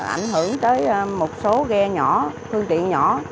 ảnh hưởng tới một số ghe nhỏ phương tiện nhỏ